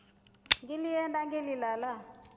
Ngirenda ngilirara.